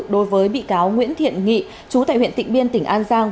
đối với bị cáo nguyễn thiện nghị chú tại huyện tịnh biên tỉnh an giang